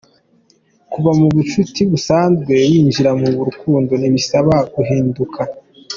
kuva mu bucuti busanzwe winjira mu rukundo ntibisaba guhinduka.